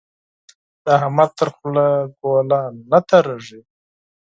د احمد تر خوله ګوله نه تېرېږي.